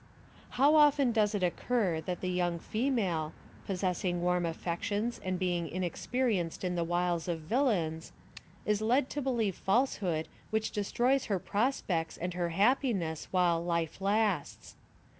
How often does it occur that the young female, possessing warm affections and being inexperien» ced in the wiles of villians, is led to believe false hood which destroys her prospects and her hap piness while life lasts.